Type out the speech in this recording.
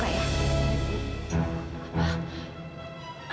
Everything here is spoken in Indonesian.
tapi pintu gudangnya nggak usah dibuka ya